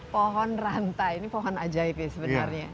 pohon rantai ini pohon ajaib ya sebenarnya